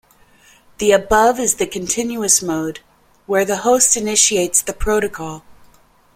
The above is the continuous mode, where the host initiates the protocol.